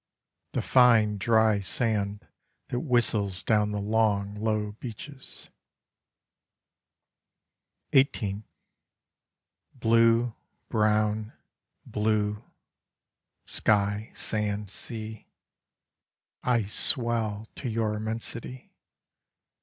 The fine dry sand that whistles Down the long low beaches. XVIII Blue, brown, blue: sky, sand, sea: I swell to your immensity.